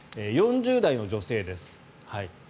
４０代の女性です。